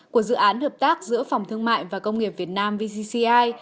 của dự án hợp tác giữa phòng thương mại và công nghiệp việt nam vcci